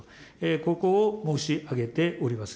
ここを申し上げております。